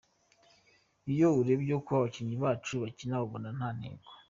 Iyo urebye uko abakinnyi bacu bakina ubona nta ntego.